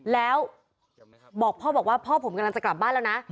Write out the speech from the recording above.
แล้วบอกพ่อบอกว่าพ่อผมกำลังจะกลับบ้านแล้วนะ